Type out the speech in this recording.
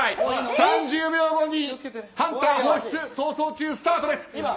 ３０秒後にハンター放出「逃走中」スタートです。